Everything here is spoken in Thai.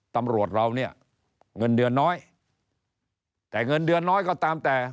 ตำรวจเราเนี่ยเงินเดือนน้อยแต่เงินเดือนน้อยก็ตามแต่